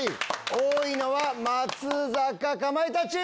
多いのは松坂・かまいたちチーム。